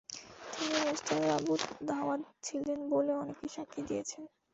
তিনি মুস্তাজাবুদ দাওয়াত ছিলেন বলে অনেকে সাক্ষী দিয়েছেন।